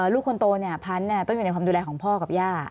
ลูกคนโตเนี่ยพันธุ์ต้องอยู่ในความดูแลของพ่อกับย่า